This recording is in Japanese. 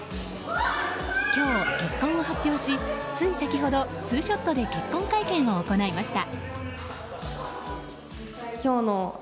今日、結婚を発表しつい先ほどツーショットで結婚会見を行いました。